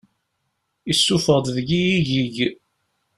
Isuffeɣ-d deg-i igig.